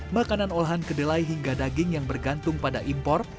makanan olahan kedelai hingga daging yang bergantung pada impor